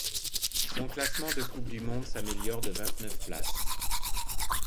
Son classement de coupe du monde s'améliore de vingt-neuf places.